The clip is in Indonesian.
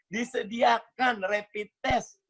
disediakan rapid test